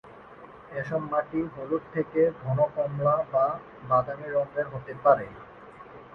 এসব মাটি হলুদ থেকে ঘন কমলা বা বাদামি রঙের হতে পারে।